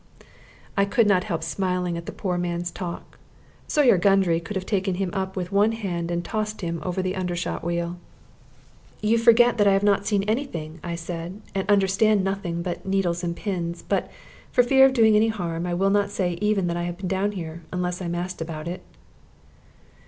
I could not help smiling at the poor man's talk. Sawyer Gundry could have taken him with one hand and tossed him over the undershot wheel. "You forget that I have not seen any thing," I said, "and understand nothing but 'needles and pins.' But, for fear of doing any harm, I will not even say that I have been down here, unless I am asked about it."